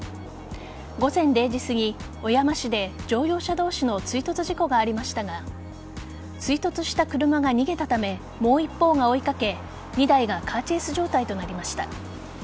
午前０時すぎ、小山市で乗用車同士の追突事故がありましたが追突した車が逃げたためもう一方が追いかけ２台がカーチェイス状態となりました。